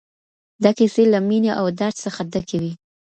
دا کيسې له مينې او درد څخه ډکې وې.